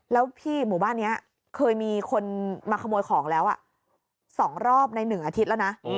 แล้วพี่หมู่บ้านนี้เคยมีคนมาขโมยของแล้ว๒รอบใน๑อาทิตย์แล้วนะ